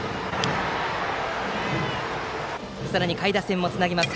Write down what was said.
さらに下位打線もつなぎます。